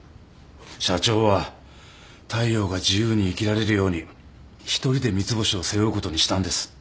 社長は大陽が自由に生きられるように一人で三ツ星を背負うことにしたんです。